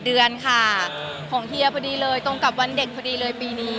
เดือนค่ะของเฮียพอดีเลยตรงกับวันเด็กพอดีเลยปีนี้